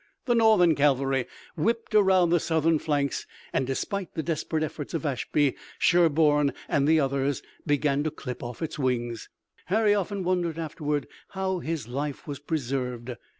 The Northern cavalry whipped around the Southern flanks and despite the desperate efforts of Ashby, Sherburne, and the others, began to clip off its wings. Harry often wondered afterward how his life was preserved.